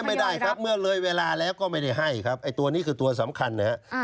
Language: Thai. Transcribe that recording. ไม่ได้ครับเมื่อเลยเวลาแล้วก็ไม่ได้ให้ครับไอ้ตัวนี้คือตัวสำคัญนะครับ